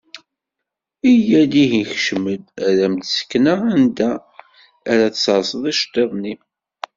Yya-d ihi kcem-d, ad am-d-sekneɣ anda ara tserseḍ iceṭṭiḍen-im.